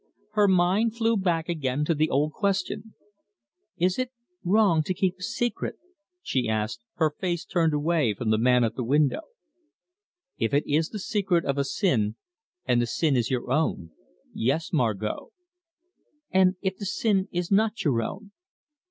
Her mind flew back again to the old question. "Is it wrong to keep a secret?" she asked, her face turned away from the man at the window. "If it is the secret of a sin, and the sin is your own yes, Margot." "And if the sin is not your own?"